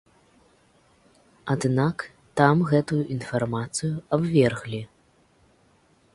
Аднак там гэтую інфармацыю абверглі.